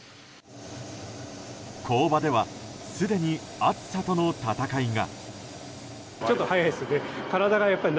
工場ではすでに暑さとの闘いが。